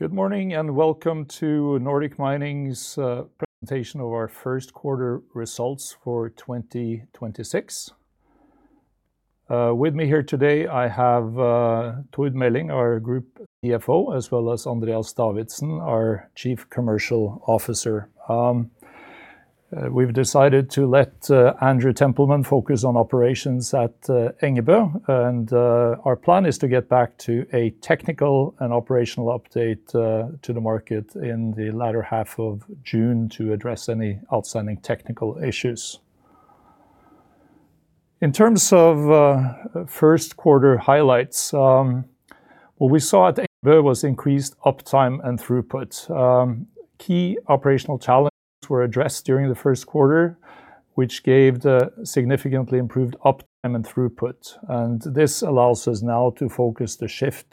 Good morning, and welcome to Nordic Mining's Presentation of our first quarter results for 2026. With me here today, I have Tord Meling, our Group CFO, as well as Andreas Davidsen, our Chief Commercial Officer. We've decided to let Andrew Templeman focus on operations at Engebø; our plan is to get back to a technical and operational update to the market in the latter half of June to address any outstanding technical issues. In terms of first quarter highlights, what we saw at Engebø was increased uptime and throughput. Key operational challenges were addressed during the first quarter, which gave the significantly improved uptime and throughput; this allows us now to shift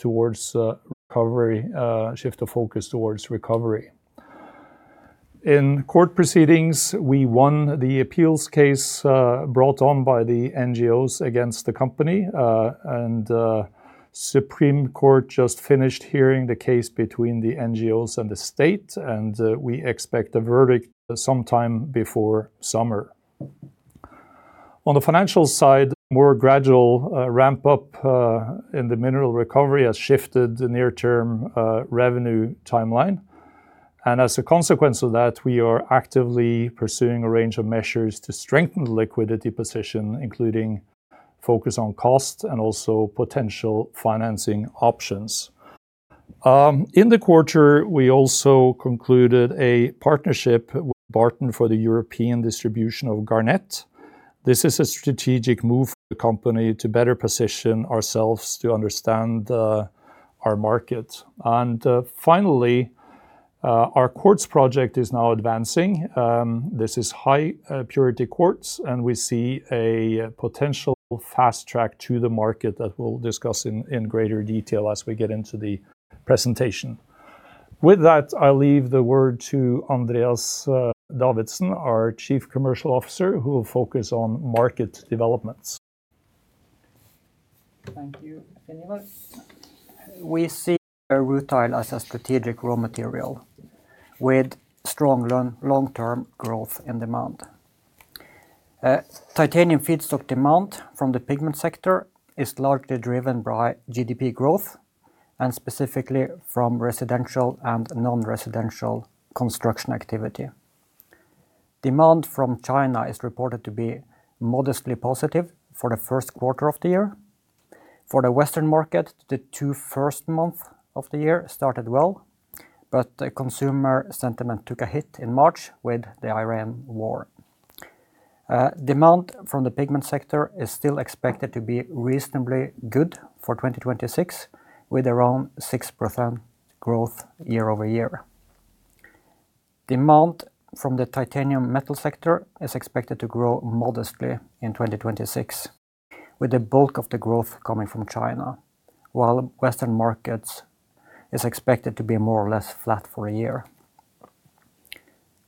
the focus towards recovery. In court proceedings, we won the appeals case brought on by the NGOs against the company. The Supreme Court just finished hearing the case between the NGOs and the state, and we expect a verdict sometime before summer. On the financial side, a more gradual ramp-up in the mineral recovery has shifted the near-term revenue timeline. As a consequence of that, we are actively pursuing a range of measures to strengthen the liquidity position, including a focus on cost and also potential financing options. In the quarter, we also concluded a partnership with Barton for the European distribution of garnet. This is a strategic move for the company to better position us to understand our market. Finally, our quartz project is now advancing. This is high-purity quartz; we see a potential fast track to the market that we'll discuss in greater detail as we get into the presentation. With that, I leave the word to Andreas Davidsen, our Chief Commercial Officer, who will focus on market developments. Thank you, Ivar. We see rutile as a strategic raw material with strong long-term growth and demand. Titanium feedstock demand from the pigment sector is largely driven by GDP growth and specifically from residential and non-residential construction activity. Demand from China is reported to be modestly positive for the first quarter of the year. For the Western market, the first two months of the year started well, but the consumer sentiment took a hit in March with the Iran war. Demand from the pigment sector is still expected to be reasonably good for 2026, with around 6% growth year-over-year. Demand from the titanium metal sector is expected to grow modestly in 2026, with the bulk of the growth coming from China, while Western markets are expected to be more or less flat for a year.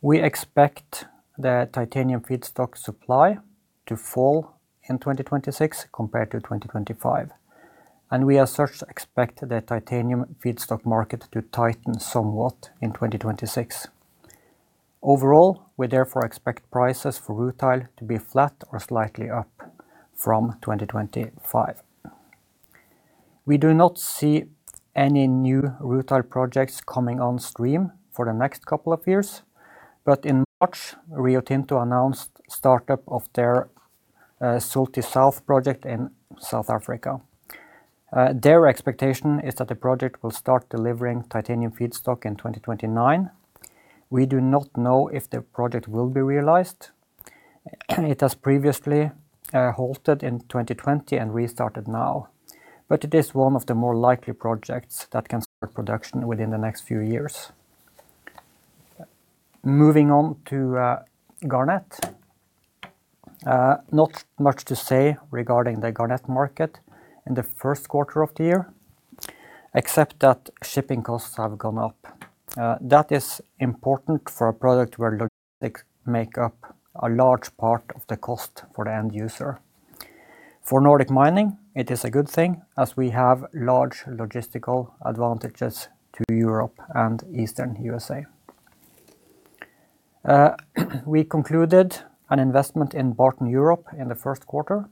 We expect the titanium feedstock supply to fall in 2026 compared to 2025, and we, as such, expect the titanium feedstock market to tighten somewhat in 2026. Overall, we therefore expect prices for rutile to be flat or slightly up from 2025. We do not see any new rutile projects coming on stream for the next couple of years. In March, Rio Tinto announced the startup of their Zulti South project in South Africa. Their expectation is that the project will start delivering titanium feedstock in 2029. We do not know if the project will be realized. It has previously halted in 2020 and restarted now, but it is one of the more likely projects that can start production within the next few years. Moving on to garnet. Not much to say regarding the garnet market in the first quarter of the year, except that shipping costs have gone up. That is important for a product where logistics make up a large part of the cost for the end user. For Nordic Mining, it is a good thing, as we have large logistical advantages to Europe and the Eastern U.S.A. We concluded an investment in Barton Europe in the first quarter.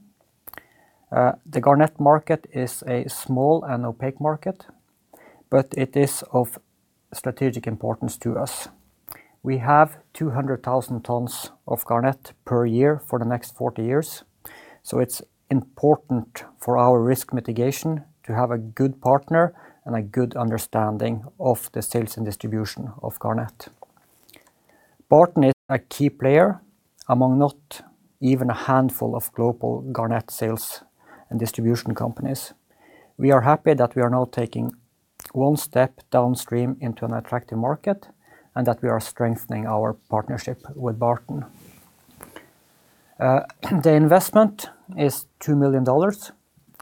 The garnet market is a small and opaque market. It is of strategic importance to us. We have 200,000 tons of garnet per year for the next 40 years. It is important for our risk mitigation to have a good partner and a good understanding of the sales and distribution of garnet. Barton is a key player among not even a handful of global garnet sales and distribution companies. We are happy that we are now taking one step downstream into an attractive market and that we are strengthening our partnership with Barton. The investment is $2 million.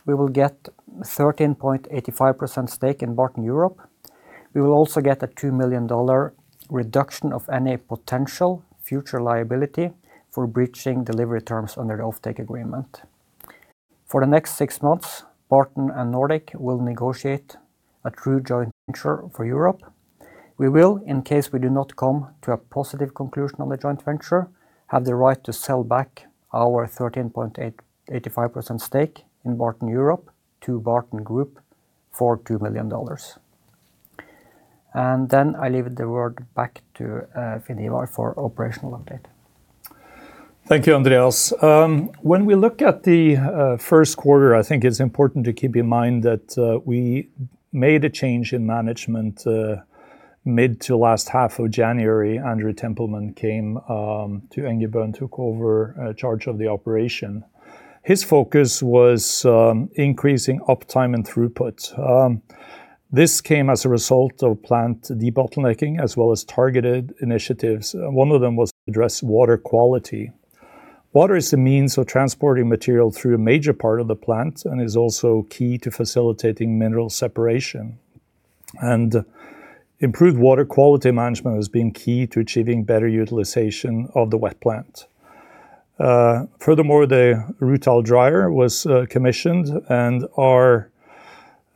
We will get 13.85% stake in Barton Europe. We will also get a $2 million reduction of any potential future liability for breaching delivery terms under the offtake agreement. For the next six months, Barton and Nordic will negotiate a true joint venture for Europe. We will, in case we do not come to a positive conclusion on the joint venture, have the right to sell back our 13.85% stake in Barton Europe to Barton Group for $2 million. I leave the word back to Finn Ivar for an operational update. Thank you, Andreas. When we look at the first quarter, I think it's important to keep in mind that we made a change in management in the mid- to last half of January. Andrew Templeman came to Engebø and took charge of the operation. His focus was increasing uptime and throughput. This came as a result of plant debottlenecking as well as targeted initiatives. One of them was to address water quality. Water is the means of transporting material through a major part of the plant and is also key to facilitating mineral separation. Improved water quality management has been key to achieving better utilization of the wet plant. Furthermore, the rutile dryer was commissioned,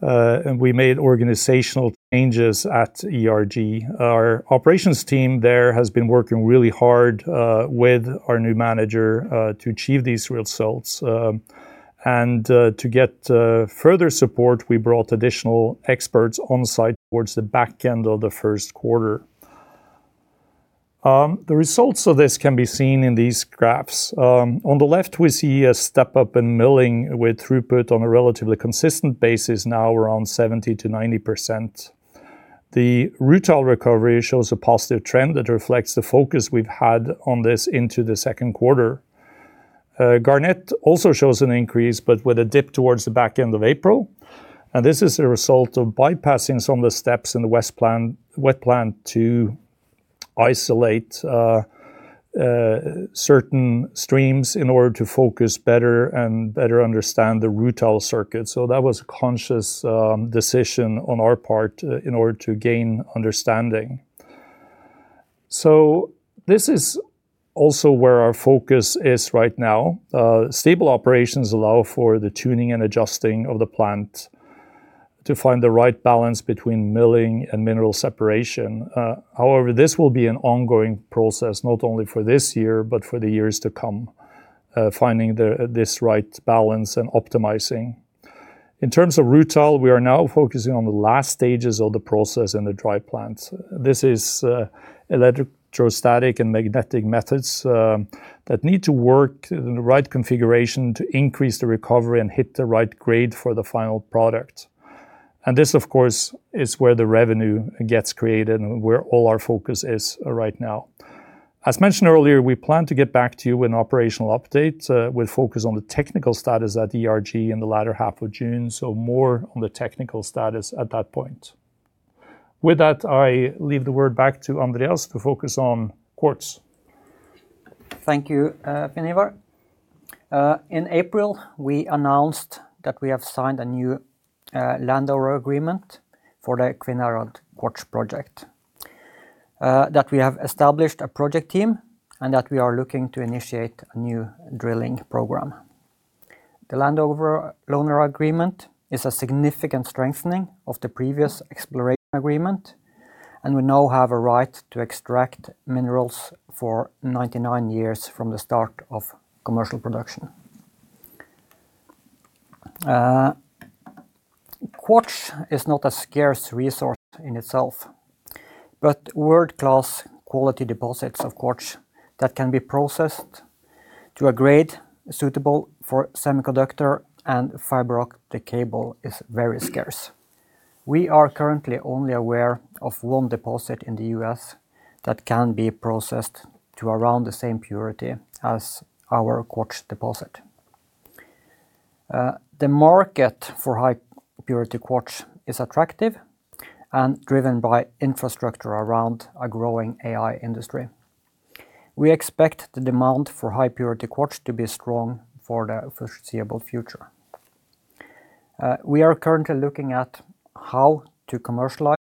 and we made organizational changes at ERG. Our operations team there has been working really hard with our new manager to achieve these results. To get further support, we brought additional experts on-site towards the back-end of the first quarter. The results of this can be seen in these graphs. On the left, we see a step-up in milling with throughput on a relatively consistent basis now around 70%-90%. The rutile recovery shows a positive trend that reflects the focus we've had on this into the second quarter. Garnet also shows an increase, but with a dip towards the back end of April, and this is a result of bypassing some of the steps in the wet plant to isolate certain streams in order to focus better and better understand the rutile circuit. That was a conscious decision on our part in order to gain understanding. This is also where our focus is right now. Stable operations allow for the tuning and adjusting of the plant to find the right balance between milling and mineral separation. However, this will be an ongoing process, not only for this year but for the years to come, finding this right balance and optimizing it. In terms of rutile, we are now focusing on the last stages of the process in the dry plant. These are electrostatic and magnetic methods that need to work in the right configuration to increase the recovery and hit the right grade for the final product. This, of course, is where the revenue gets created and where all our focus is right now. As mentioned earlier, we plan to get back to you with an operational update, with a focus on the technical status at ERG in the latter half of June. More on the technical status at that point. With that, I leave the word to Andreas to focus on quartz. Thank you, Finn Ivar. In April, we announced that we have signed a new landowner agreement for the Kvinnherad Quartz project, that we have established a project team, and that we are looking to initiate a new drilling program. The landowner agreement is a significant strengthening of the previous exploration agreement. We now have a right to extract minerals for 99 years from the start of commercial production. Quartz is not a scarce resource in itself, but world-class quality deposits of quartz that can be processed to a grade suitable for semiconductors and fiber optic cable are very scarce. We are currently only aware of 1 deposit in the U.S. that can be processed to around the same purity as our quartz deposit. The market for high-purity quartz is attractive and driven by infrastructure around a growing AI industry. We expect the demand for high-purity quartz to be strong for the foreseeable future. We are currently looking at how to commercialize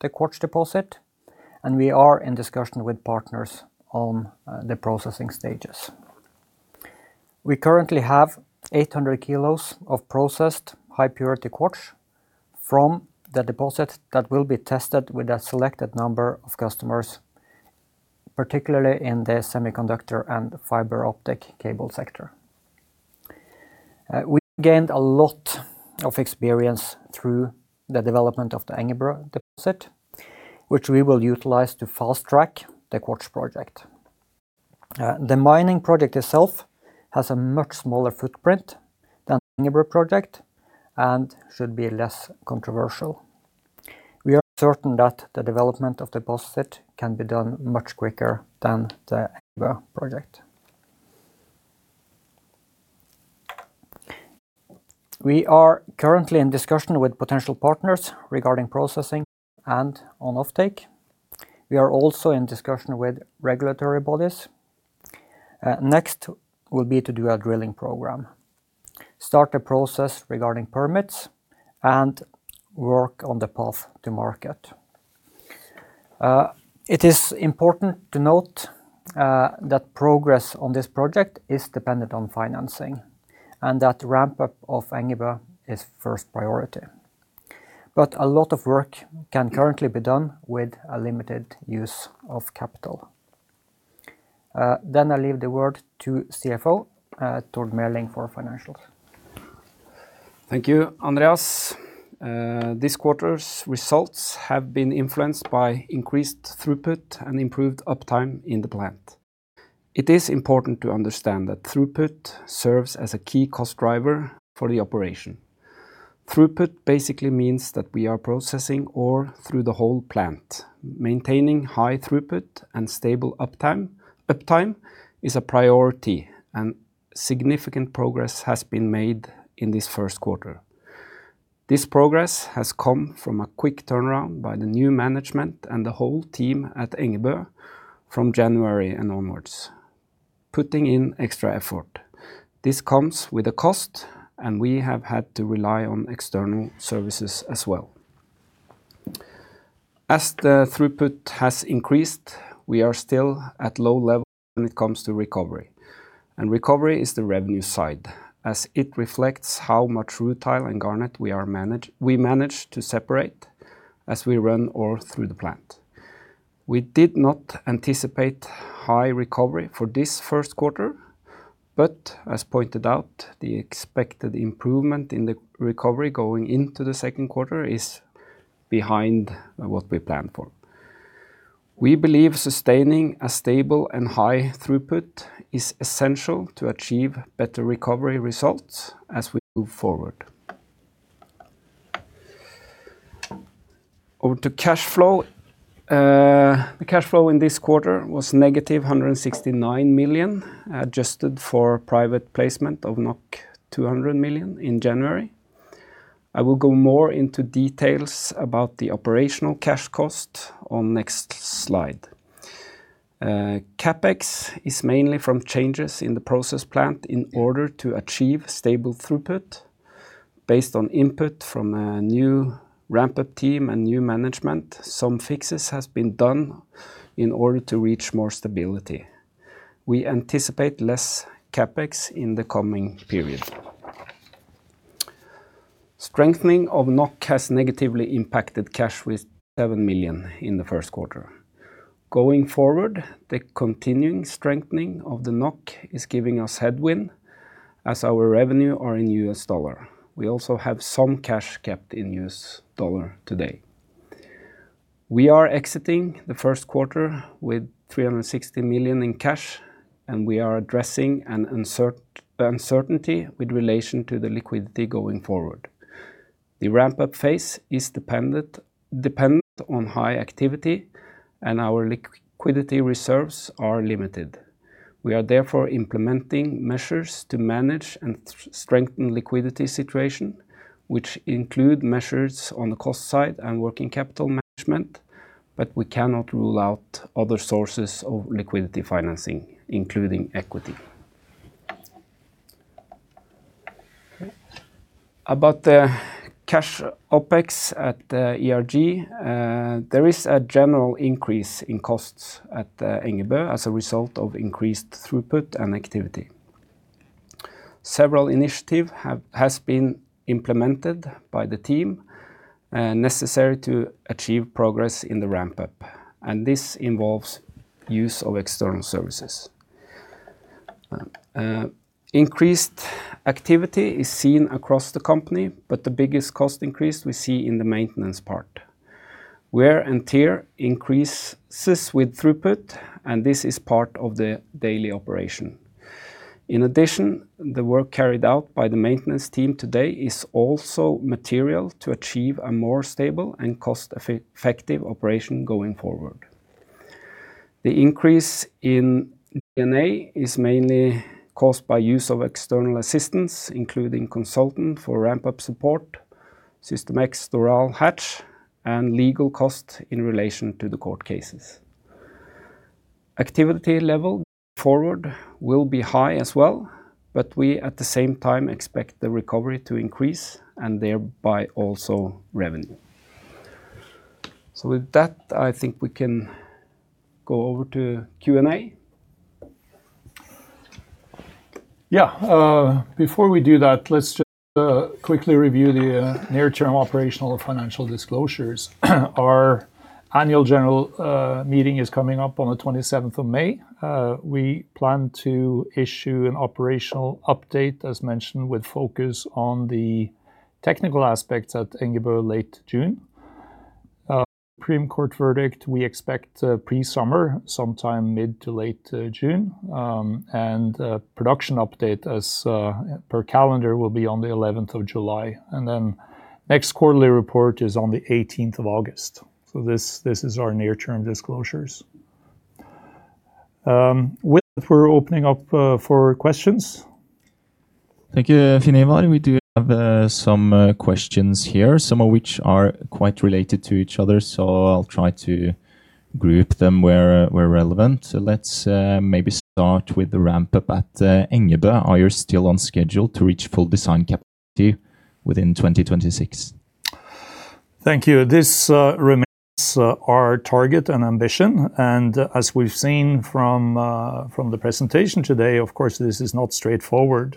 the quartz deposit, and we are in discussion with partners on the processing stages. We currently have 800 kilos of processed high-purity quartz from the deposit that will be tested with a selected number of customers, particularly in the semiconductor and fiber optic cable sector. We gained a lot of experience through the development of the Engebø deposit, which we will utilize to fast-track the quartz project. The mining project itself has a much smaller footprint than the Engebø project and should be less controversial. We are certain that the development of the deposit can be done much quicker than the Engebø project. We are currently in discussion with potential partners regarding processing and offtake. We are also in discussion with regulatory bodies. Next will be to do a drilling program, start the process regarding permits, and work on the path to market. It is important to note that progress on this project is dependent on financing and that ramp-up of Engebø is the first priority. A lot of work can currently be done with a limited use of capital. Then I leave the word to the CFO, Tord Meling, for financials. Thank you, Andreas. This quarter's results have been influenced by increased throughput and improved uptime in the plant. It is important to understand that throughput serves as a key cost driver for the operation. Throughput basically means that we are processing ore through the whole plant. Maintaining high throughput and stable uptime is a priority, and significant progress has been made in this first quarter. This progress has come from a quick turnaround by the new management and the whole team at Engebø from January and onwards, putting in extra effort. This comes with a cost, and we have had to rely on external services as well. As the throughput has increased, we are still at low levels when it comes to recovery, and recovery is the revenue side, as it reflects how much rutile and garnet we manage to separate as we run ore through the plant. We did not anticipate high recovery for this first quarter, but as pointed out, the expected improvement in the recovery going into the second quarter is behind what we planned for. We believe sustaining a stable and high throughput is essential to achieve better recovery results as we move forward. Over to cash flow. The cash flow in this quarter was negative 169 million, adjusted for private placement of 200 million in January. I will go more into details about the operational cash cost on the next slide. CapEx is mainly from changes in the process plant in order to achieve stable throughput. Based on input from a new ramp-up team and new management, some fixes have been done in order to reach more stability. We anticipate less CapEx in the coming period. Strengthening of NOK has negatively impacted cash, with 7 million in the first quarter. Going forward, the continuing strengthening of the NOK is giving us headwinds, as our revenue is in US dollars. We also have some cash kept in US dollars today. We are exiting the first quarter with 360 million in cash, and we are addressing an uncertainty with relation to the liquidity going forward. The ramp-up phase is dependent on high activity, and our liquidity reserves are limited. We are therefore implementing measures to manage and strengthen the liquidity situation, which include measures on the cost side and working capital management, but we cannot rule out other sources of liquidity financing, including equity. About the cash OPEX at ERG, there is a general increase in costs at Engebø as a result of increased throughput and activity. Several initiatives have been implemented by the team, necessary to achieve progress in the ramp-up, and this involves the use of external services. Increased activity is seen across the company, but the biggest cost increase we see is in the maintenance part. Wear and tear increases with throughput, and this is part of the daily operation. In addition, the work carried out by the maintenance team today is also material to achieve a more stable and cost-effective operation going forward. The increase in G&A is mainly caused by the use of external assistance, including consultants for ramp-up support, Systemex, Doral, Hatch, and legal costs in relation to the court cases. Activity level going forward will be high as well; we, at the same time, expect the recovery to increase and thereby also revenue. With that, I think we can go over to Q&A. Yeah. Before we do that, let's just quickly review the near-term operational and financial disclosures. Our Annual General Meeting is coming up on the 27th of May. We plan to issue an operational update, as mentioned, with a focus on the technical aspects at Engebø in late June. Supreme Court verdict, we expect pre-summer, sometime mid- to late June. Production updates as per the calendar will be on the 11th of July. Next quarterly report is on the 18th of August. These are our near-term disclosures. With that, we're opening up for questions. Thank you, Ivar. We do have some questions here, some of which are quite related to each other, so I'll try to group them where relevant. Let's maybe start with the ramp-up at Engebø. Are you still on schedule to reach full design capacity within 2026? Thank you. This remains our target and ambition; as we've seen from the presentation today, of course, this is not straightforward.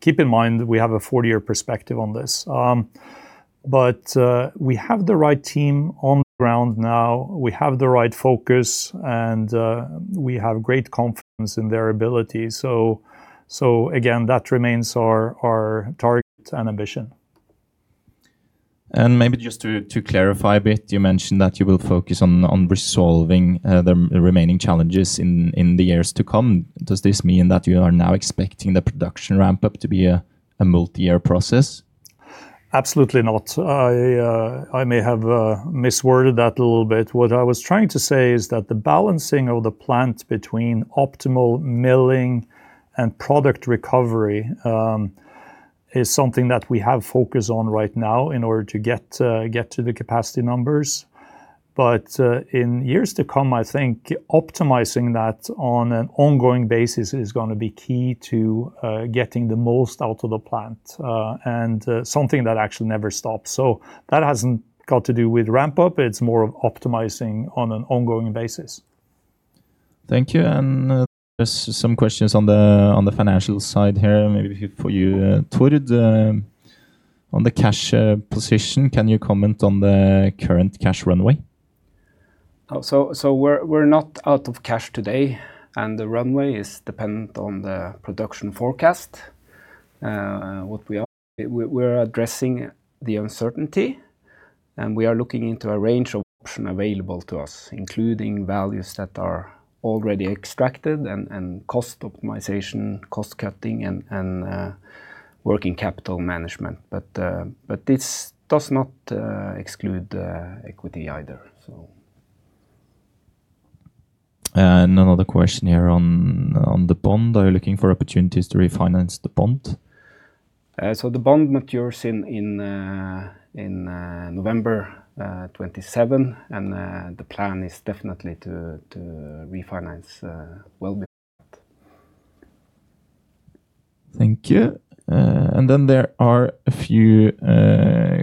Keep in mind that we have a 40-year perspective on this. We have the right team on the ground now, we have the right focus, and we have great confidence in their ability. Again, that remains our target and ambition. Maybe just to clarify a bit, you mentioned that you will focus on resolving the remaining challenges in the years to come. Does this mean that you are now expecting the production ramp up to be a multi-year process? Absolutely not. I may have misworded that a little bit. What I was trying to say is that the balancing of the plant between optimal milling and product recovery is something that we have focused on right now in order to get to the capacity numbers. In years to come, I think optimizing that on an ongoing basis is going to be key to getting the most out of the plant and something that actually never stops. That has nothing to do with ramp-up. It's more of optimizing on an ongoing basis. Thank you. There are some questions on the financial side here, maybe for you, Tord. On the cash position, can you comment on the current cash runway? We're not out of cash today, and the runway is dependent on the production forecast. What we are addressing is the uncertainty, and we are looking into a range of options available to us, including values that are already extracted and cost optimization, cost-cutting, and working capital management. This does not exclude equity either. Another question here on the bond. Are you looking for opportunities to refinance the bond? The bond matures on November 27, and the plan is definitely to refinance well before that. Thank you. There are a few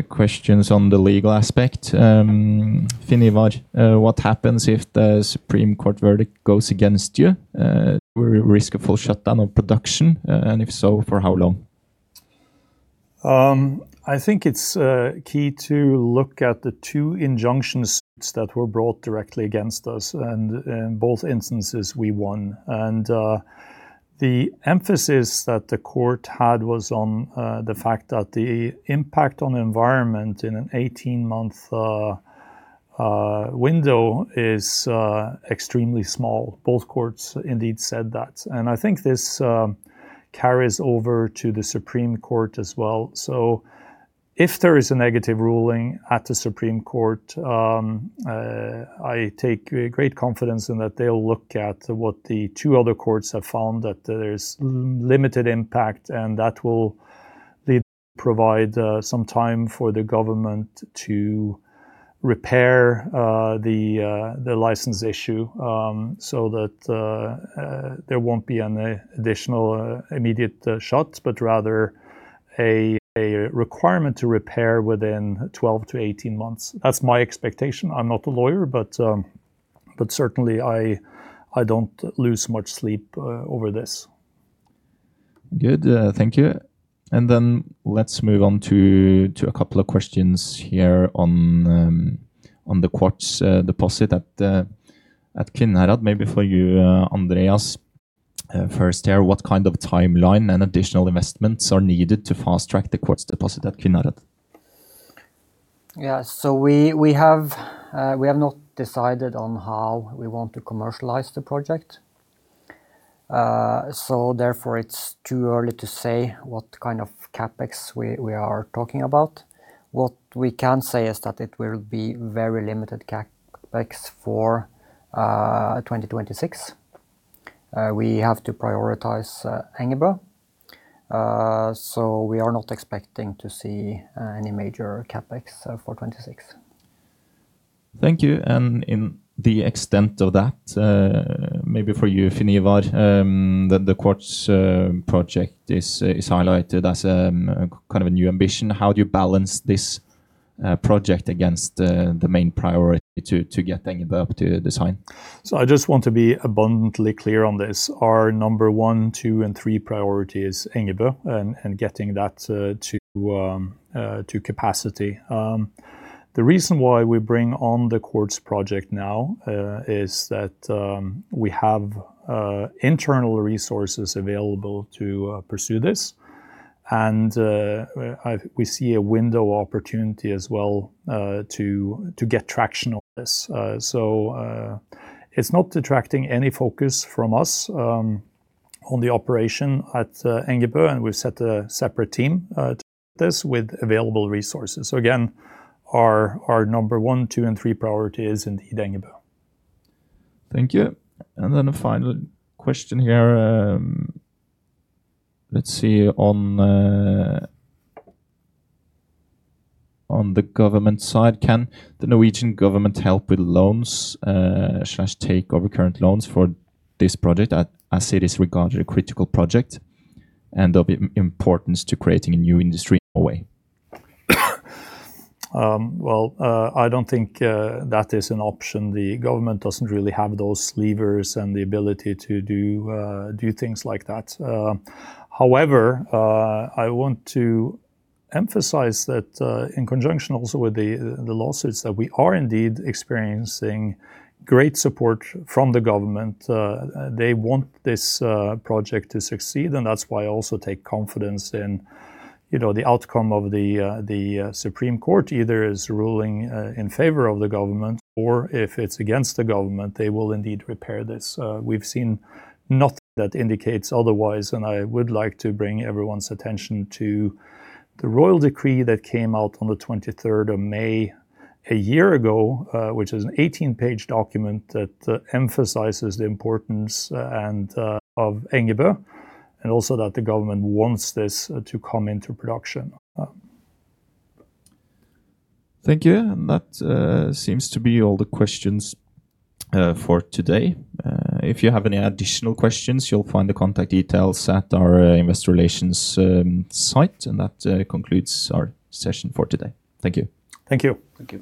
questions on the legal aspect. Finn Ivar, what happens if the Supreme Court verdict goes against you? Do we risk a full shutdown of production? If so, for how long? I think it's key to look at the two injunction suits that were brought directly against us, and in both instances we won. The emphasis that the court had was on the fact that the impact on the environment in an 18-month window is extremely small. Both courts indeed said that. I think this carries over to the Supreme Court as well. If there is a negative ruling at the Supreme Court, I take great confidence in that they'll look at what the two other courts have found, that there's limited impact, and that will lead to providing some time for the government to repair the license issue so that there won't be an additional immediate shut, but rather a requirement to repair within 12 to 18 months. That's my expectation. I am not a lawyer. Certainly I don't lose much sleep over this. Good. Thank you. Let's move on to a couple of questions here on the quartz deposit at Kvinnherad. Maybe for you, Andreas, first here, what kind of timeline and additional investments are needed to fast-track the quartz deposit at Kvinnherad? We, we have not decided on how we want to commercialize the project. Therefore, it's too early to say what kind of CapEx we are talking about. What we can say is that it will be very limited CapEx for 2026. We have to prioritize Engebø. We are not expecting to see any major CapEx for 2026. Thank you; to that extent, maybe for you, Finn Ivar, the quartz project is highlighted as kind of a new ambition. How do you balance this project against the main priority to get Engebø up to design? I just want to be abundantly clear on this. Our numbers one, two, and three priorities are Engebø and getting that to capacity. The reason why we bring on the quartz project now is that we have internal resources available to pursue this, and we see a window of opportunity as well to get traction on this. It's not detracting any focus from us on the operation at Engebø, and we've set a separate team to do this with available resources. Again, our numbers one, two, and three priorities are Engebø. Thank you. Then a final question here, let's see, on the government side. Can the Norwegian government help with loans, or slash, take over current loans for this project, as it is regarded as a critical project and of importance to creating a new industry in Norway? Well, I don't think that is an option. The government doesn't really have those levers and the ability to do things like that. However, I want to emphasize that in conjunction also with the lawsuits, we are indeed experiencing great support from the government. They want this project to succeed. That's why I also take confidence in, you know, the outcome of the Supreme Court either ruling in favor of the government or, if it's against the government, they will indeed repair this. We've seen nothing that indicates otherwise. I would like to bring everyone's attention to the royal decree that came out on the 23rd of May a year ago, which is an 18-page document that emphasizes the importance of Engebø and also that the government wants this to come into production. Thank you. Those seem to be all the questions for today. If you have any additional questions, you'll find the contact details at our investor relations site. That concludes our session for today. Thank you. Thank you. Thank you.